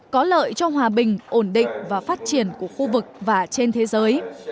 có lợi cho hòa bình ổn định và phát triển của khu vực và trên thế giới